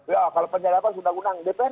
ya kalau penyadapan sudah unang dpr